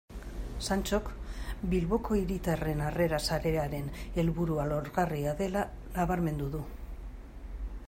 Santxok Bilboko Hiritarren Harrera Sarearen helburua lorgarria dela nabarmendu du.